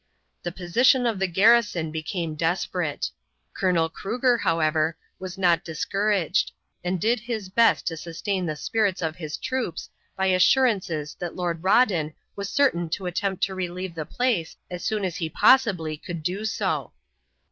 The position of the garrison became desperate. Colonel Cruger, however, was not discouraged, and did his best to sustain the spirits of his troops by assurances that Lord Rawdon was certain to attempt to relieve the place as soon as he possibly could do so.